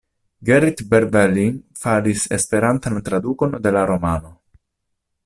Gerrit Berveling faris esperantan tradukon de la romano.